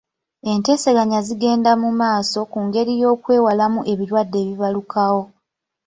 Enteesaganya zigenda mu maaso ku ngeri y'okwewalamu ebirwadde ebibalukawo.